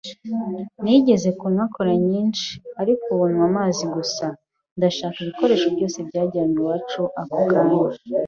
Nigeze kunywa cola nyinshi, ariko ubu nywa amazi gusa. Ndashaka ibikoresho byose byajyanwe iwacu ako kanya.